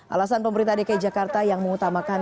alasan pemerintah dki jakarta yang mengutamakan